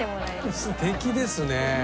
すてきですね。